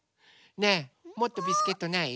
ねえもっとビスケットない？